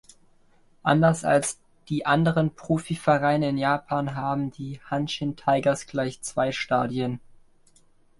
Anders als die anderen Profi-Vereine in Japan haben die Hanshin Tigers gleich zwei Stadien.